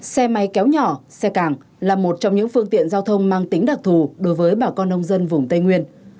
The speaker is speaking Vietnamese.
xe máy kéo nhỏ xe càng là một trong những phương tiện giao thông mang tính đặc thù đối với bà con nông dân vùng tây nguyên